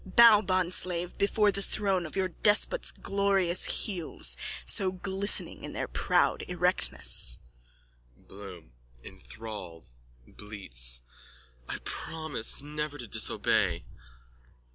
Bow, bondslave, before the throne of your despot's glorious heels so glistening in their proud erectness. BLOOM: (Enthralled, bleats.) I promise never to disobey.